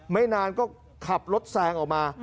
ไม่นานก็ขับรถแซงออกมา